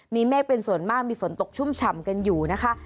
มีเมฆเป็นส่วนมากมีฝนตกชุ่มฉ่ำกันอยู่นะคะ